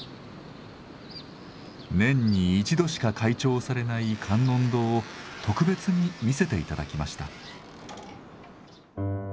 年に一度しか開帳されない観音堂を特別に見せていただきました。